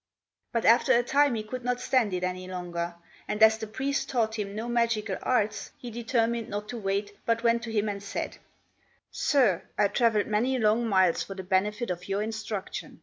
But after a time he could not stand it any longer; and as the priest taught him no magical arts he determined not to wait, but went to him and said, "Sir, I travelled many long miles for the benefit of your instruction.